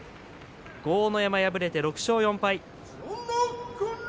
豪ノ山、敗れて６勝４敗。